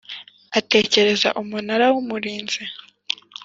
atekereza Umunara w Umurinzi